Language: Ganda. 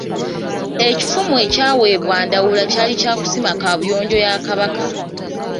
EKifumu ekyaweebwa Ndawula kyali kya kusima kaabuyonjo ya Kabaka.